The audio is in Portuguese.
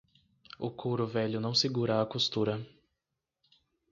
O couro velho não segura a costura.